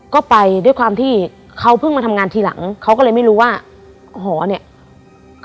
ก็ไปด้วยความที่เขาเพิ่งมาทำงานทีหลังเขาก็เลยไม่รู้ว่าหอเนี่ย